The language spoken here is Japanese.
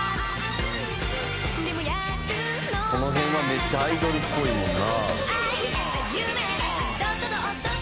この辺はめっちゃアイドルっぽいもんな。